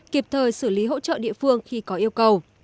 kịp thời xử lý hỗ trợ địa phương khi có yêu cầu